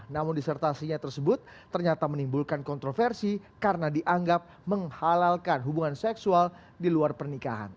namun disertasinya tersebut ternyata menimbulkan kontroversi karena dianggap menghalalkan hubungan seksual di luar pernikahan